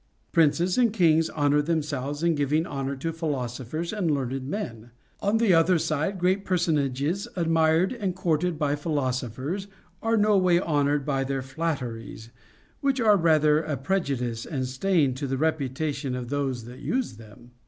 Princes and kings honor themselves in giving honor to philosophers and learned men. On the other side, great personages admired and courted by philosophers are no way honored by their flatteries, which are rather a pre judice and stain to the reputation of those that use them.